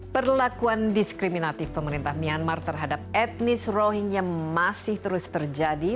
perlakuan diskriminatif pemerintah myanmar terhadap etnis rohingya masih terus terjadi